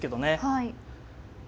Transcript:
はい。